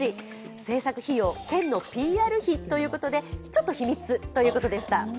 制作費用、県のＰＲ費ということでちょっと秘密ということでした。